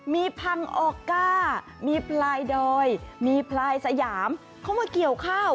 มีพังออก้ามีพลายดอยมีพลายสยามเข้ามาเกี่ยวข้าว